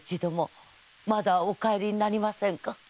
まだお帰りになりませんか？